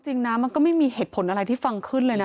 จริงนะมันก็ไม่มีเหตุผลอะไรที่ฟังขึ้นเลยนะ